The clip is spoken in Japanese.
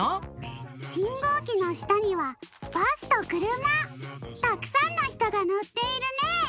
しんごうきのしたにはバスとくるま！たくさんのひとがのっているね。